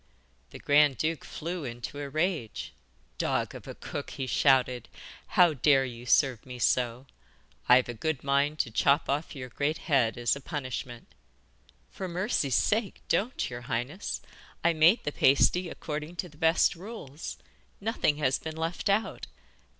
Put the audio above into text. The grand duke flew into a rage. 'Dog of a cook,' he shouted; 'how dare you serve me so? I've a good mind to chop off your great head as a punishment.' 'For mercy's sake, don't, your highness! I made the pasty according to the best rules; nothing has been left out.